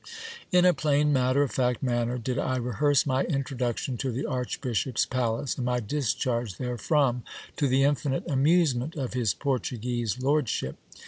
In a plain matter of fact manner did I rehearse my introduc tion to the archbishop's palace, and my discharge therefrom, to the infinite amusement of his Portuguese lordship.